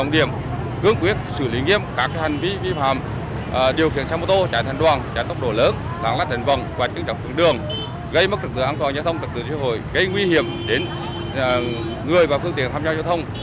điều kiện xe mô tô trái thần đoàn trái tốc độ lớn lãng lát đền vòng và chứng trọng phương đường gây mất thực tế an toàn giao thông thực tế xã hội gây nguy hiểm đến người và phương tiện tham gia giao thông